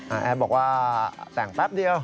แอดบอกว่าแต่งแป๊บเดียว